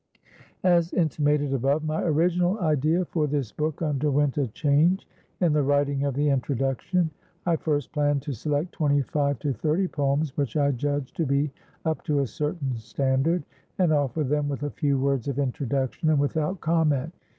As intimated above, my original idea for this book underwent a change in the writing of the introduction. I first planned to select twenty five to thirty poems which I judged to be up to a certain standard, and offer them with a few words of introduction and without comment.